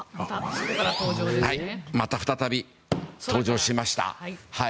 また再び登場しました。